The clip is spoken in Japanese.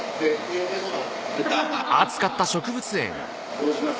どうします？